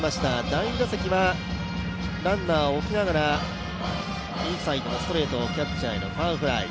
第２打席はランナーを置きながらインサイド、キャッチャーへのファウルフライ。